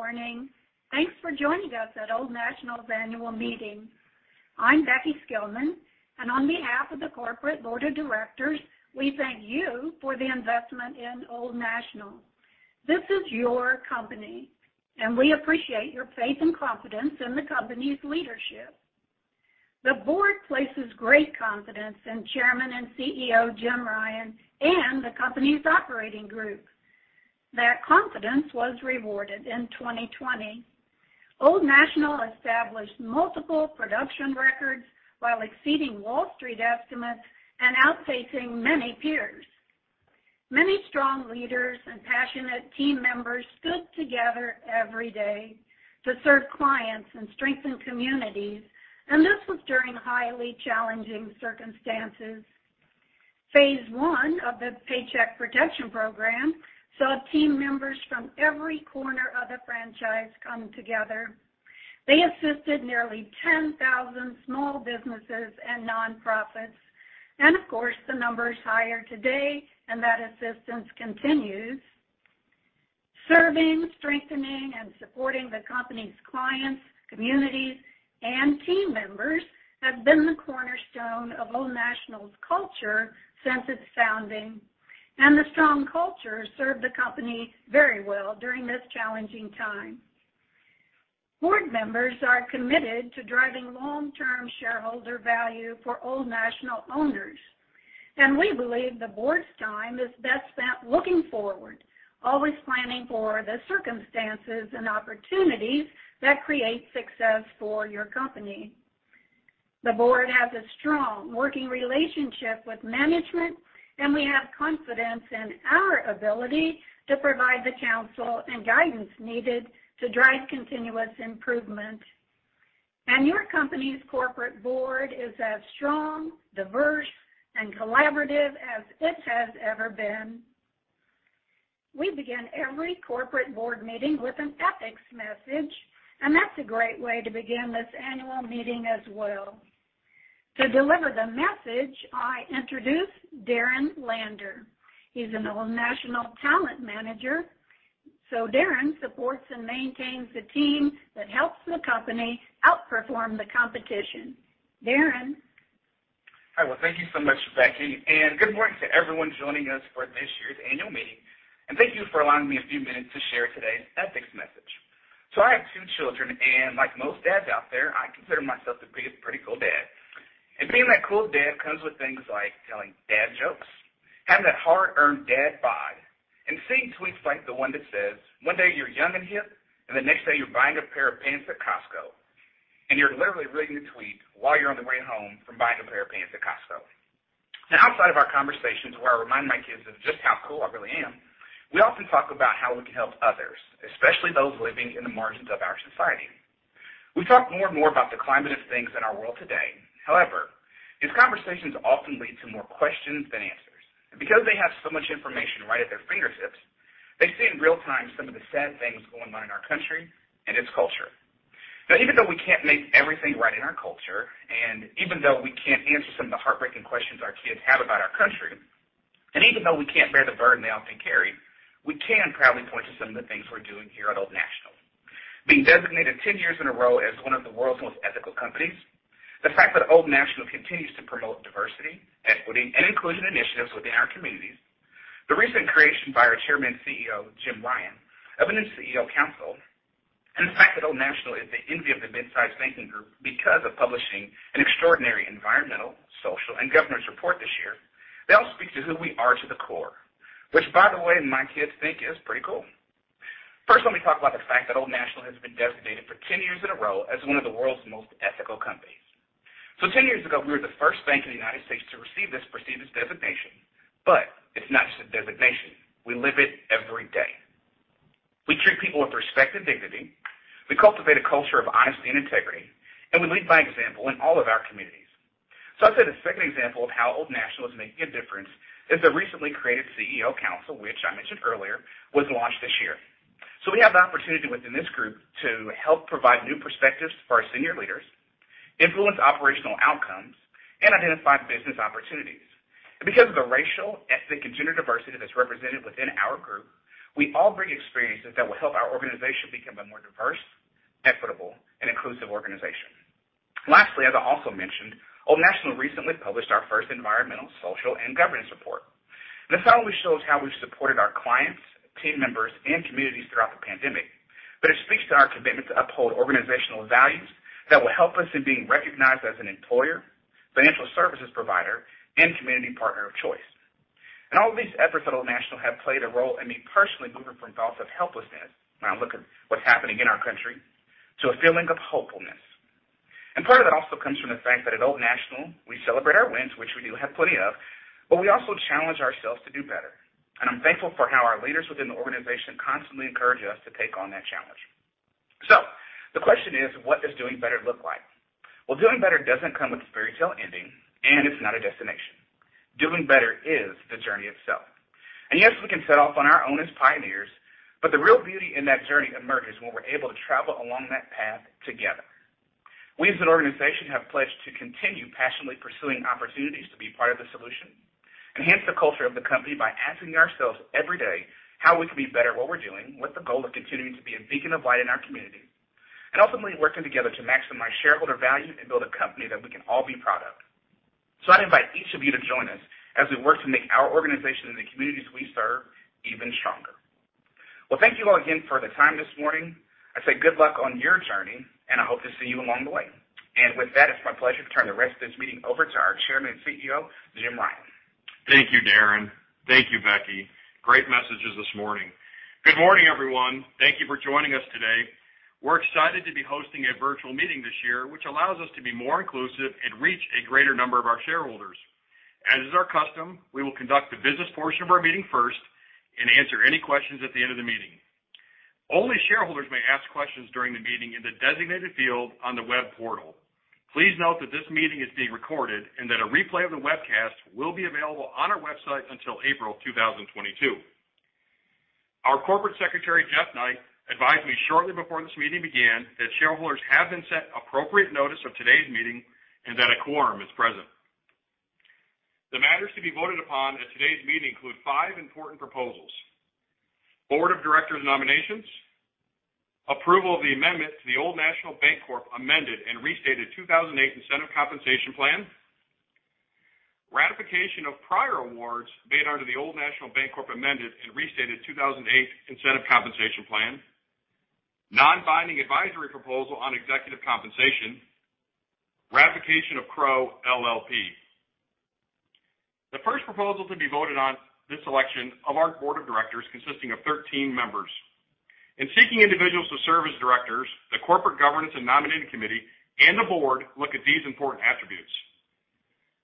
Good morning. Thanks for joining us at Old National's annual meeting. I'm Becky Skillman. On behalf of the corporate board of directors, we thank you for the investment in Old National. This is your company. We appreciate your faith and confidence in the company's leadership. The board places great confidence in Chairman and CEO Jim Ryan and the company's operating group. Their confidence was rewarded in 2020. Old National established multiple production records while exceeding Wall Street estimates and outpacing many peers. Many strong leaders and passionate team members stood together every day to serve clients and strengthen communities. This was during highly challenging circumstances. Phase I of the Paycheck Protection Program saw team members from every corner of the franchise come together. They assisted nearly 10,000 small businesses and nonprofits. Of course, the number is higher today and that assistance continues. Serving, strengthening, and supporting the company's clients, communities, and team members have been the cornerstone of Old National's culture since its founding, and the strong culture served the company very well during this challenging time. Board members are committed to driving long-term shareholder value for Old National owners, and we believe the board's time is best spent looking forward, always planning for the circumstances and opportunities that create success for your company. The board has a strong working relationship with management, and we have confidence in our ability to provide the counsel and guidance needed to drive continuous improvement. Your company's corporate board is as strong, diverse, and collaborative as it has ever been. We begin every corporate board meeting with an ethics message, and that's a great way to begin this annual meeting as well. To deliver the message, I introduce Darin Lander. He's an Old National talent manager. Darin supports and maintains the team that helps the company outperform the competition. Darin? Hi. Well, thank you so much, Becky, and good morning to everyone joining us for this year's annual meeting. Thank you for allowing me a few minutes to share today's ethics message. I have two children, and like most dads out there, I consider myself to be a pretty cool dad. Being that cool dad comes with things like telling dad jokes, having that hard-earned dad bod, and seeing tweets like the one that says, "One day you're young and hip, and the next day you're buying a pair of pants at Costco," and you're literally reading the tweet while you're on the way home from buying a pair of pants at Costco. Outside of our conversations where I remind my kids of just how cool I really am, we often talk about how we can help others, especially those living in the margins of our society. We talk more and more about the climate of things in our world today. However, these conversations often lead to more questions than answers. Because they have so much information right at their fingertips, they see in real time some of the sad things going on in our country and its culture. Even though we can't make everything right in our culture, and even though we can't answer some of the heartbreaking questions our kids have about our country, and even though we can't bear the burden they often carry, we can proudly point to some of the things we're doing here at Old National. Being designated 10 years in a row as one of the world's most ethical companies, the fact that Old National continues to promote diversity, equity, and inclusion initiatives within our communities, the recent creation by our Chairman and CEO, Jim Ryan, of a new CEO council, and the fact that Old National is the envy of the midsize banking group because of publishing an extraordinary Environmental, Social, and Governance report this year, they all speak to who we are to the core, which, by the way, my kids think is pretty cool. First, let me talk about the fact that Old National has been designated for 10 years in a row as one of the world's most ethical companies. 10 years ago, we were the first bank in the United States to receive this prestigious designation. It's not just a designation. We live it every day. We treat people with respect and dignity, we cultivate a culture of honesty and integrity, and we lead by example in all of our communities. I'd say the second example of how Old National is making a difference is the recently created CEO Council, which I mentioned earlier, was launched this year. We have the opportunity within this group to help provide new perspectives for our senior leaders, influence operational outcomes, and identify business opportunities. Because of the racial, ethnic, and gender diversity that's represented within our group, we all bring experiences that will help our organization become a more diverse, equitable, and inclusive organization. Lastly, as I also mentioned, Old National recently published our first environmental, social, and governance report. This not only shows how we've supported our clients, team members, and communities throughout the pandemic, but it speaks to our commitment to uphold organizational values that will help us in being recognized as an employer, financial services provider, and community partner of choice. All of these efforts at Old National have played a role in me personally moving from thoughts of helplessness when I look at what's happening in our country to a feeling of hopefulness. Part of that also comes from the fact that at Old National, we celebrate our wins, which we do have plenty of, but we also challenge ourselves to do better. I'm thankful for how our leaders within the organization constantly encourage us to take on that challenge. The question is, what does doing better look like? Well, doing better doesn't come with a fairytale ending, and it's not a destination. Doing better is the journey itself. Yes, we can set off on our own as pioneers, but the real beauty in that journey emerges when we're able to travel along that path together. We as an organization have pledged to continue passionately pursuing opportunities to be part of the solution, enhance the culture of the company by asking ourselves every day how we can be better at what we're doing, with the goal of continuing to be a beacon of light in our community, and ultimately working together to maximize shareholder value and build a company that we can all be proud of. I'd invite each of you to join us as we work to make our organization and the communities we serve even stronger. Well, thank you all again for the time this morning. I say good luck on your journey, and I hope to see you along the way. With that, it's my pleasure to turn the rest of this meeting over to our Chairman and CEO, Jim Ryan. Thank you, Darin. Thank you, Becky. Great messages this morning. Good morning, everyone. Thank you for joining us today. We're excited to be hosting a virtual meeting this year, which allows us to be more inclusive and reach a greater number of our shareholders. As is our custom, we will conduct the business portion of our meeting first and answer any questions at the end of the meeting. Only shareholders may ask questions during the meeting in the designated field on the web portal. Please note that this meeting is being recorded, and that a replay of the webcast will be available on our website until April 2022. Our Corporate Secretary, Jeff Knight, advised me shortly before this meeting began that shareholders have been sent appropriate notice of today's meeting and that a quorum is present. The matters to be voted upon at today's meeting include five important proposals. Board of directors nominations, approval of the amendment to the Old National Bancorp Amended and Restated 2008 Incentive Compensation Plan, ratification of prior awards made under the Old National Bancorp Amended and Restated 2008 Incentive Compensation Plan, non-binding advisory proposal on executive compensation, ratification of Crowe LLP. The first proposal to be voted on this election of our board of directors, consisting of 13 members. In seeking individuals to serve as directors, the Corporate Governance and Nominating Committee and the Board look at these important attributes.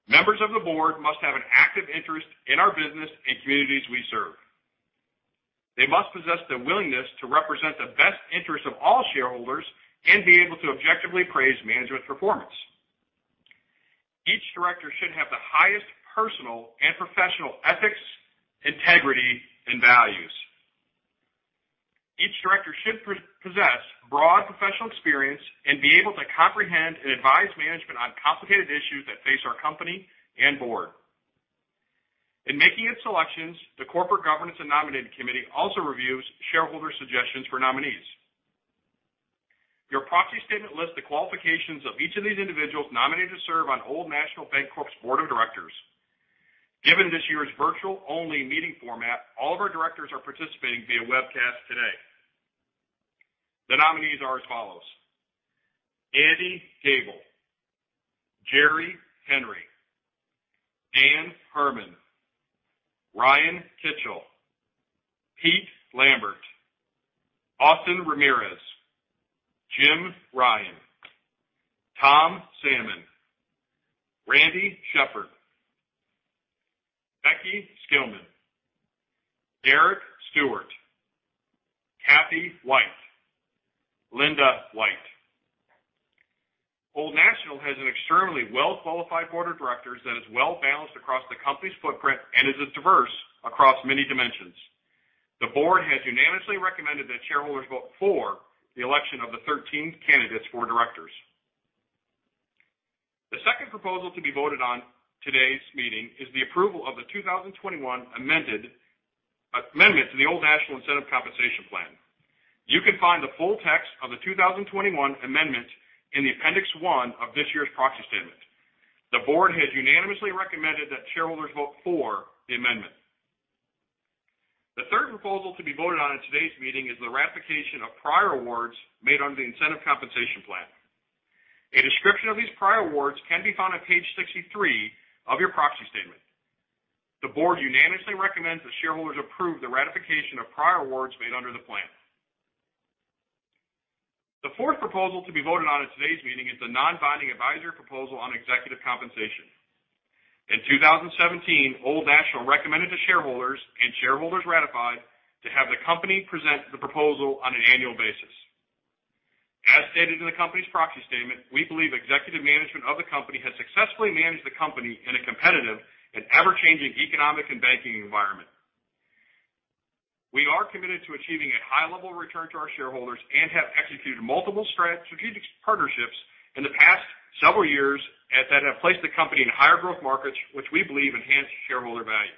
Members of the Board must have an active interest in our business and communities we serve. They must possess the willingness to represent the best interest of all shareholders and be able to objectively appraise management's performance. Each director should have the highest personal and professional ethics, integrity, and values. Each director should possess broad professional experience and be able to comprehend and advise management on complicated issues that face our company and board. In making its selections, the corporate governance and nominating committee also reviews shareholder suggestions for nominees. Your proxy statement lists the qualifications of each of these individuals nominated to serve on Old National Bancorp's board of directors. Given this year's virtual-only meeting format, all of our directors are participating via webcast today. The nominees are as follows. Andrew Goebel, Jerry Henry, Dan Hermann, Ryan Kitchell, Phelps Lambert, Austin Ramirez, Jim Ryan, Thomas Salmon, Randy Shepard, Becky Skillman, Derrick Stewart, Kathy White, Linda White. Old National has an extremely well-qualified board of directors that is well-balanced across the company's footprint and is as diverse across many dimensions. The board has unanimously recommended that shareholders vote for the election of the 13 candidates for directors. The second proposal to be voted on today's meeting is the approval of the 2021 amendments to the Old National Incentive Compensation Plan. You can find the full text of the 2021 amendment in the Appendix one of this year's proxy statement. The board has unanimously recommended that shareholders vote for the amendment. The third proposal to be voted on at today's meeting is the ratification of prior awards made under the Incentive Compensation Plan. A description of these prior awards can be found on page 63 of your proxy statement. The board unanimously recommends that shareholders approve the ratification of prior awards made under the plan. The fourth proposal to be voted on at today's meeting is the non-binding advisory proposal on executive compensation. In 2017, Old National recommended to shareholders, and shareholders ratified, to have the company present the proposal on an annual basis. As stated in the company's proxy statement, we believe executive management of the company has successfully managed the company in a competitive and ever-changing economic and banking environment. We are committed to achieving a high level of return to our shareholders and have executed multiple strategic partnerships in the past several years that have placed the company in higher growth markets, which we believe enhance shareholder value.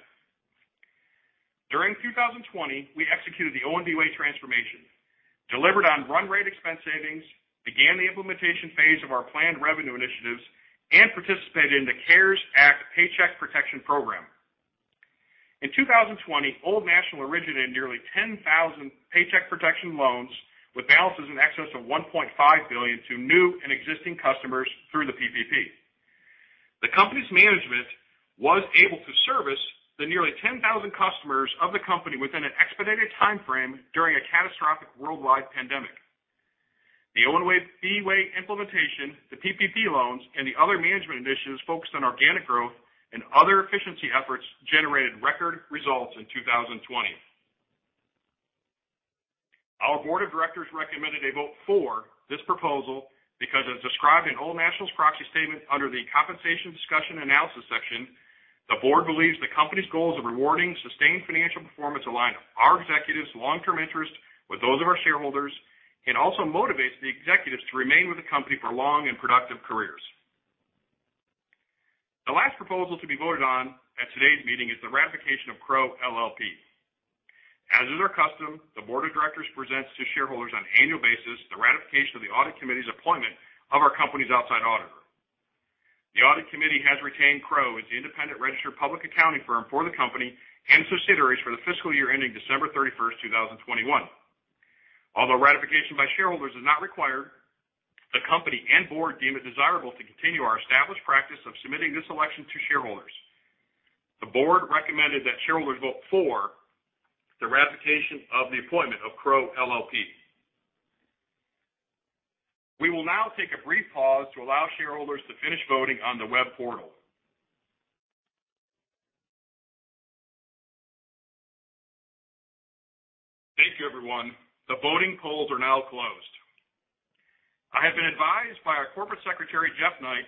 During 2020, we executed The ONB Way transformation, delivered on run rate expense savings, began the implementation phase of our planned revenue initiatives, and participated in the CARES Act Paycheck Protection Program. In 2020, Old National originated nearly 10,000 paycheck protection loans with balances in excess of $1.5 billion to new and existing customers through the PPP. The company's management was able to service the nearly 10,000 customers of the company within an expedited timeframe during a catastrophic worldwide pandemic. The ONB Way implementation, the PPP loans, and the other management initiatives focused on organic growth and other efficiency efforts generated record results in 2020. Our board of directors recommended a vote for this proposal because, as described in Old National's proxy statement under the Compensation Discussion and Analysis section. The board believes the company's goals of rewarding sustained financial performance align our executives' long-term interest with those of our shareholders and also motivates the executives to remain with the company for long and productive careers. The last proposal to be voted on at today's meeting is the ratification of Crowe LLP. As is our custom, the board of directors presents to shareholders on an annual basis the ratification of the audit committee's appointment of our company's outside auditor. The audit committee has retained Crowe as the independent registered public accounting firm for the company and subsidiaries for the fiscal year ending December 31st, 2021. Although ratification by shareholders is not required, the company and board deem it desirable to continue our established practice of submitting this election to shareholders. The board recommended that shareholders vote for the ratification of the appointment of Crowe LLP. We will now take a brief pause to allow shareholders to finish voting on the web portal. Thank you, everyone. The voting polls are now closed. I have been advised by our corporate secretary, Jeff Knight,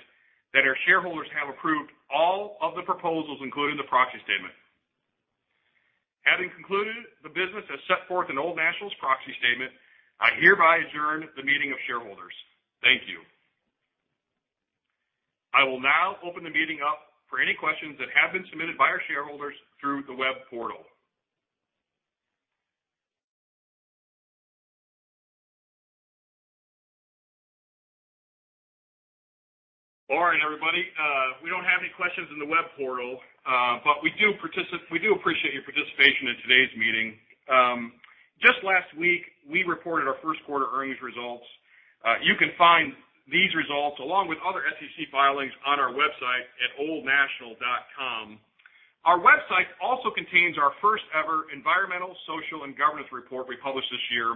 that our shareholders have approved all of the proposals, including the proxy statement. Having concluded the business as set forth in Old National's proxy statement, I hereby adjourn the meeting of shareholders. Thank you. I will now open the meeting up for any questions that have been submitted by our shareholders through the web portal. All right, everybody. We don't have any questions in the web portal, but we do appreciate your participation in today's meeting. Just last week, we reported our first quarter earnings results. You can find these results along with other SEC filings on our website at oldnational.com. Our website also contains our first ever environmental, social, and governance report we published this year.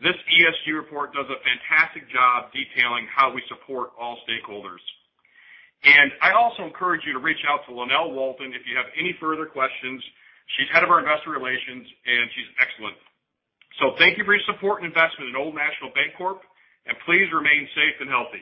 This ESG report does a fantastic job detailing how we support all stakeholders. I also encourage you to reach out to Lynell Walton if you have any further questions. She's head of our investor relations, and she's excellent. Thank you for your support and investment in Old National Bancorp, and please remain safe and healthy.